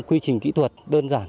quy trình kỹ thuật đơn giản